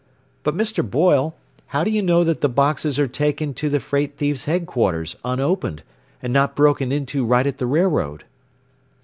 "But, Mr. Boyle, how do you know that the boxes are taken to the freight thieves' headquarters, unopened, and not broken into right at the railroad?"